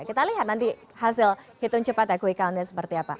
kita lihat nanti hasil hitung cepat ya kui kalun dan seperti apa